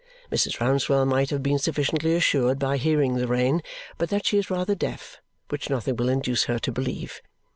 Mrs. Rouncewell might have been sufficiently assured by hearing the rain, but that she is rather deaf, which nothing will induce her to believe.